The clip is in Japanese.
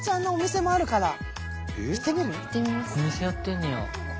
お店やってんねや。